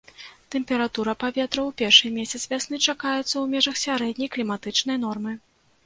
Тэмпература паветра ў першы месяц вясны чакаецца ў межах сярэдняй кліматычнай нормы.